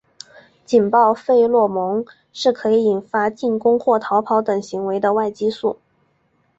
警报费洛蒙是可以引发进攻或逃跑等行为的外激素。